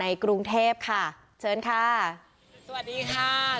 กรุงเทพค่ะเชิญค่ะสวัสดีค่ะ